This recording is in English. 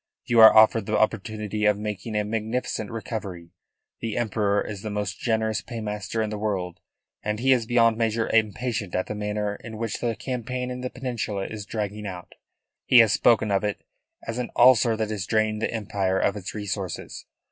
You are offered the opportunity of making a magnificent recovery. The Emperor is the most generous paymaster in the world, and he is beyond measure impatient at the manner in which the campaign in the Peninsula is dragging on. He has spoken of it as an ulcer that is draining the Empire of its resources.